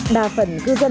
đa phần cư dân mạng